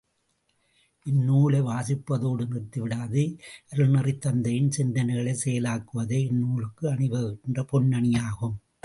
இந்நூலை வாசிப்பதோடு நிறுத்திவிடாது அருள்நெறித் தந்தையின் சிந்தனைகளைச் செயலாக்குவதே, இந்நூலுக்கு அணிவிக்கின்ற பொன் அணியாகும்.